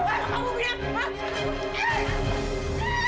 aduh kamu biat